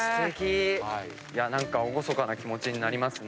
何か厳かな気持ちになりますね